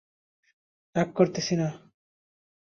রাগ করতেসি না!